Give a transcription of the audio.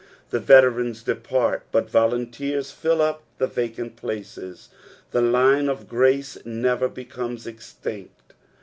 Tho veterans depart, but volunteert fill up the vacant places. The line of grace never becomes extinct.